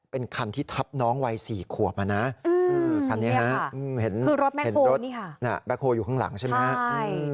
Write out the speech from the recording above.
เป็นคันที่ทับน้องวัยสี่ขัวมานะคันนี้ค่ะเห็นรถแมคโฮอยู่ข้างหลังใช่ไหม